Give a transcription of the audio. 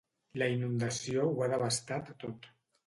La inundació ho ha devastat tot.